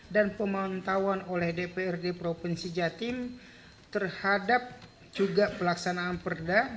dan pemahaman tawaran oleh dprd provinsi jatim terhadap juga pelaksanaan perda